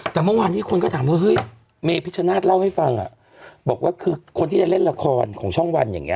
แต่เมื่อวานที่คนก็ถามว่าเฮ้ยเมพิชชนาธิเล่าให้ฟังบอกว่าคือคนที่จะเล่นละครของช่องวันอย่างนี้